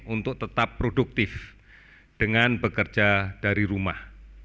untuk tetap produktif dengan bekerja dari rumah